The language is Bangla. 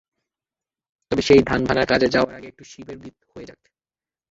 তবে সেই ধান ভানার কাজে যাওয়ার আগে একটু শিবের গীত হয়ে যাক।